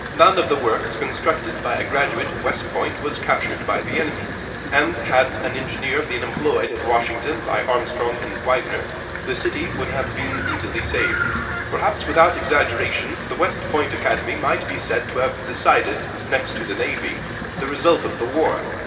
None of the works constructed by a graduate of West Point was captured by the enemy; and had an engineer been employed at Washington by Armstrong and Winder, the city would have been easily saved. Perhaps without exaggeration the West Point Academy might be said to have decided, next to the navy, the result of the war.